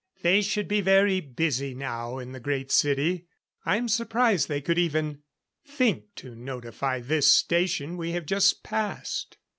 They should be very busy now in the Great City. I'm surprised they could even think to notify this Station we have just passed."